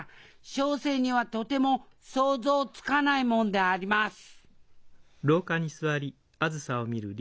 小生にはとても想像つかないもんであります